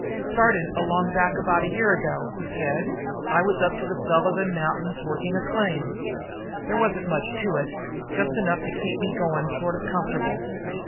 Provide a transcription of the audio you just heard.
"Started along back about a year ago," he said. "I was up to the Sullivan Mountains working a claim. There wasn't much to it, just enough to keep me going sort of comfortable.